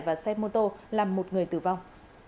và xe mô tô làm một người tử vong